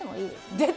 出た！